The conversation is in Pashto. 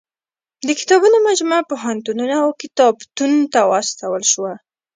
د کتابونو مجموعه پوهنتونونو او کتابتونو ته واستول شوه.